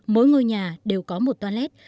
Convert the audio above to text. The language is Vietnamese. mỗi ngôi nhà đều có một toilet